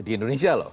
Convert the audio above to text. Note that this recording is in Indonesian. di indonesia loh